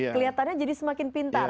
keliatannya jadi semakin pintar